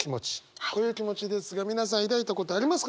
こういう気持ちですが皆さん抱いたことありますか？